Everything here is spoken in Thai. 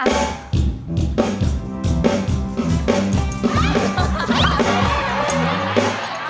เทคครับเทค